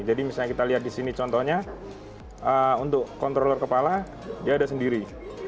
jadi misalnya kita lihat disini contohnya untuk controller kepala dia ada sendiri